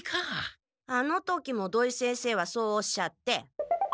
あの時も土井先生はそうおっしゃって。